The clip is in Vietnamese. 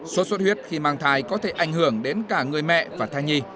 sốt xuất huyết khi mang thai có thể ảnh hưởng đến cả người mẹ và thai nhi